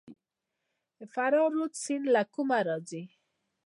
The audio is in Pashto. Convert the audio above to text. فراه رود سیند له کومه راځي؟